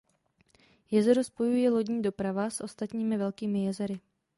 Jezero spojuje lodní doprava s ostatními "Velkými jezery".